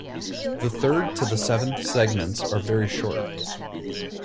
The third to the seventh segments are very short.